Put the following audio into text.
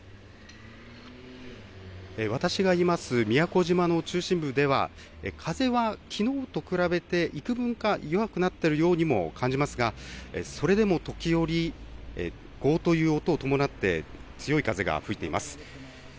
私はいます、宮古島の中心部では、風はきのうと比べていくぶんか弱くなっているようにも感じますが、それでも時折、ごーっという音を伴って、強い風が吹いています。